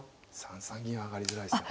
３三銀は上がりづらいです。